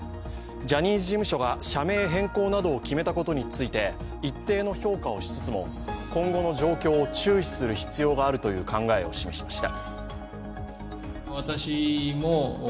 ジャニーズ事務所が社名変更などを決めたことについて一定の評価をしつつも今後の状況を注視する必要があるという考えを示しました。